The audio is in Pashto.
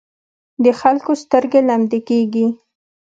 د خلکو سترګې لمدې کېږي.